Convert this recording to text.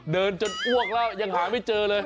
เดินจนอ้วกแล้วยังหาไม่เจอเลย